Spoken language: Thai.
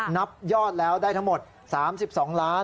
นับยอดแล้วได้ทั้งหมด๓๒๕๐๓๓๕๖บาท